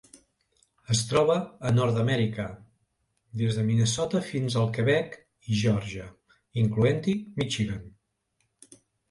Es troba a Nord-amèrica: des de Minnesota fins al Quebec i Geòrgia, incloent-hi Michigan.